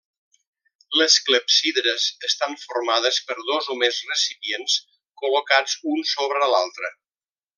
Les clepsidres estan formades per dos o més recipients, col·locats un sobre l'altre.